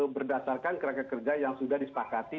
berdasarkan kerangka kerja yang sudah disepakati